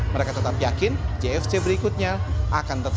mereka tetap yakin gfc berikutnya akan mencapai